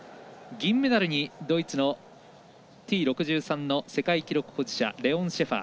銀メダルにドイツのＴ６３の世界記録保持者レオン・シェファー。